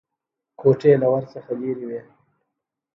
کوټې له ور څخه لرې وې.